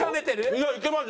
いやいけます。